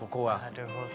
なるほど。